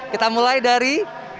kita mulai dari tiga dua satu